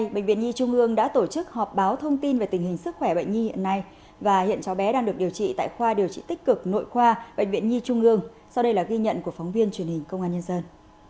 bệnh viện nhi trung ương đã tổ chức họp báo thông tin về tình hình sức khỏe bệnh nhi hiện nay và hiện cháu bé đang được điều trị tại khoa điều trị tích cực nội khoa bệnh viện nhi trung ương sau đây là ghi nhận của phóng viên truyền hình công an nhân dân